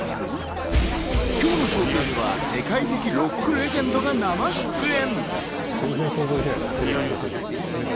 今日のＳＨＯＷＣＡＳＥは世界的ロックレジェンドが生出演。